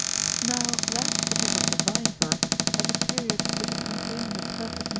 Now that which is of divine birth has a period which is contained in a perfect number (i.